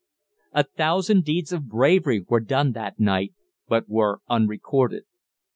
A thousand deeds of bravery were done that night, but were unrecorded.